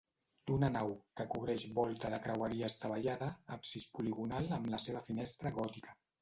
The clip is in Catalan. D'una nau, que cobreix volta de creueria estavellada, absis poligonal amb la seva finestra gòtica.